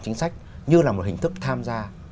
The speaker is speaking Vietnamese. chính sách như là một hình thức tham gia